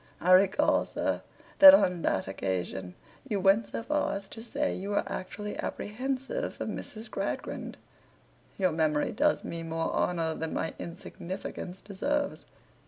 I recall, sir, that on that occasion you went so far as to say you were actually apprehensive of Miss Gradgrind.' 'Your memory does me more honour than my insignificance deserves.